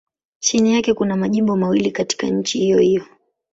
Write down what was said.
Chini yake kuna majimbo mawili katika nchi hiyohiyo.